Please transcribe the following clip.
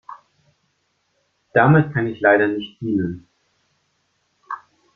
Damit kann ich leider nicht dienen.